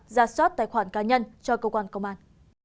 ra soát tài khoản cá nhân cho cơ quan công an